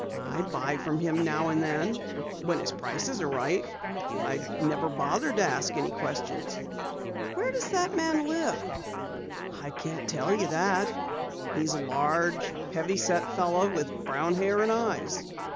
"I buy from him now and then, when his prices are right. I never bothered to ask any questions." "Where does the man live?" "I can't tell you that. He's a large, heavy set fellow with brown hair and eyes."